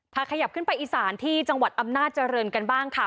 ขยับขึ้นไปอีสานที่จังหวัดอำนาจเจริญกันบ้างค่ะ